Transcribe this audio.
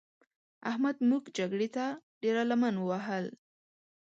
احمد موږ جګړې ته ډېره لمن ووهل.